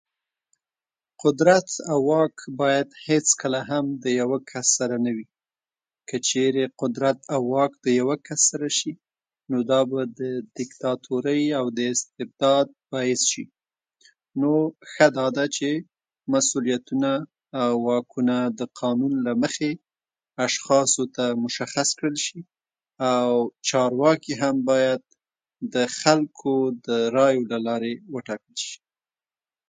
قدرت او واک باید هېڅکله هم د یو کس سره نه وي. که چېرې قدرت او واک د یو کس سره شي، نو دا به د دیکتاتورۍ او د استبداد باعث شي. نو ښه دا ده چې مسوولیتونه، واکونه د قانون له مخې اشخاصو ته مشخص کړلای شي، او چارواکي هم باید د خلکو د رایو له لارې وټاکل شي.